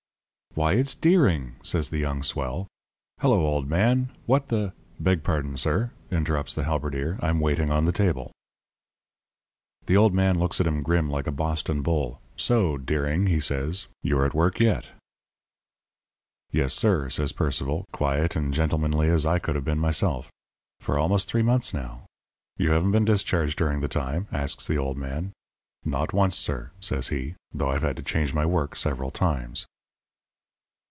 "'Why, it's Deering!' says the young swell. 'Hello, old man. What the ' "'Beg pardon, sir,' interrupts the halberdier, 'I'm waiting on the table.' "The old man looks at him grim, like a Boston bull. 'So, Deering,' he says, 'you're at work yet.' "'Yes, sir,' says Sir Percival, quiet and gentlemanly as I could have been myself, 'for almost three months, now.' 'You haven't been discharged during the time?' asks the old man. 'Not once, sir,' says he, 'though I've had to change my work several times.'